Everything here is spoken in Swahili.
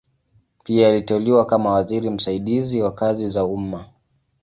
Pia aliteuliwa kama waziri msaidizi wa kazi za umma.